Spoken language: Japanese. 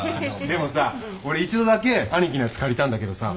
でもさ俺一度だけ兄貴のやつ借りたんだけどさ。